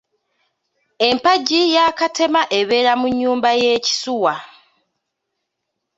Empagi eya Katema ebeera mu nnyumba y’ekisuuwa.